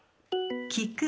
聞く。